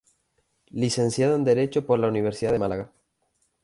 Licenciado en Derecho por la Universidad de Málaga.